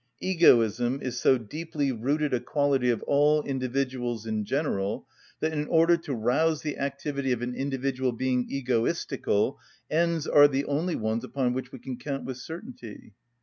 Egoism is so deeply rooted a quality of all individuals in general, that in order to rouse the activity of an individual being egoistical ends are the only ones upon which we can count with certainty.